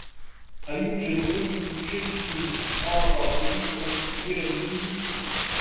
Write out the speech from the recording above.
هل يوجد أي شيء أخر تريد أن تُخبرني به؟